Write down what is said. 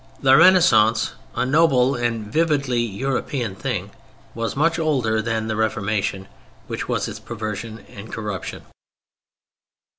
The Renaissance, a noble and vividly European thing, was much older than the Reformation, which was its perversion and corruption.